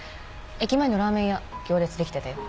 駅前のラーメン屋行列できてたよ。